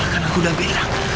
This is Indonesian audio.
dan aku udah bilang